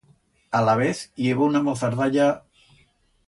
Alavez i heba una mozardalla...